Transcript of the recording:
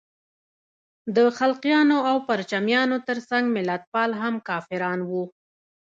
د خلقیانو او پرچمیانو تر څنګ ملتپال هم کافران وو.